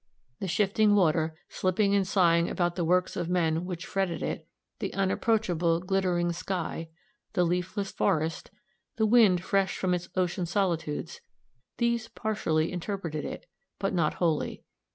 The shifting water, slipping and sighing about the works of men which fretted it; the unapproachable, glittering sky; the leafless forest, the wind fresh from its ocean solitudes these partially interpreted it, but not wholly.